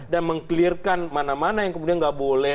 dan meng clearkan mana mana yang kemudian nggak boleh